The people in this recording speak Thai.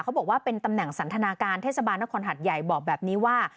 เขาบอกว่าเป็นตำแหน่งสันทนาการเทศบาลนครหัดใหญ่บอกแบบนี้ว่า